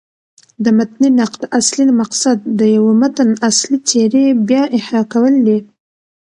د متني نقد اصلي مقصد د یوه متن اصلي څېرې بيا احیا کول دي.